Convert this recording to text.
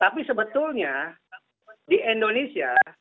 tapi sebetulnya di indonesia